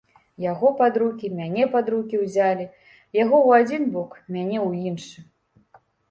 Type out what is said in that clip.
Яго пад рукі, мяне пад рукі ўзялі, яго ў адзін бок, мяне ў іншы.